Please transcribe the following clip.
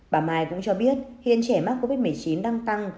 bà mai cũng cho biết hiện trẻ mắc covid một mươi chín đang tăng